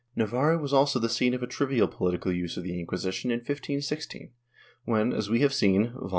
^ Navarre was also the scene of a trivial political use of the Inquisition in 1516, when, as we have seen (Vol.